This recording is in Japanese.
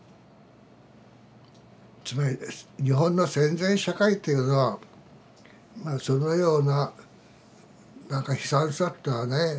つまり日本の戦前社会というのはまあそのような何か悲惨さってのはね